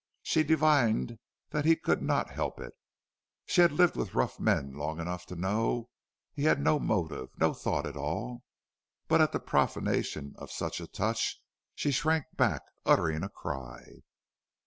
She divined that he could not help it. She had lived with rough men long enough to know he had no motive no thought at all. But at the profanation of such a touch she shrank back, uttering a cry.